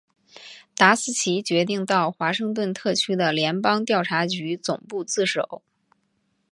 达斯奇决定到华盛顿特区的联邦调查局总部自首。